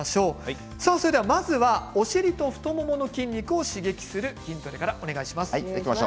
まずはお尻と太ももの筋肉を刺激する筋トレです。